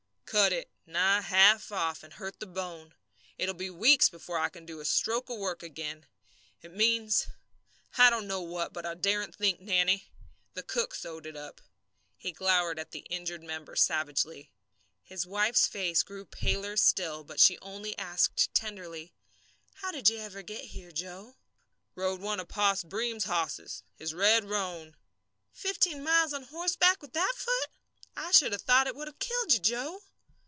"Cut it nigh half off, and hurt the bone. It'll be weeks before I can do a stroke of work again. It means I don't know what, and I daren't think what, Nannie. The cook sewed it up." He glowered at the injured member savagely. His wife's face grew paler still, but she only asked tenderly, "How did you ever get here, Joe?" "Rode one of Pose Breem's hosses his red roan." "Fifteen miles on horseback with that foot? I should have thought it would have killed you, Joe."